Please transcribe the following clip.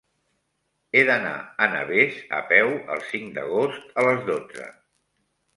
He d'anar a Navès a peu el cinc d'agost a les dotze.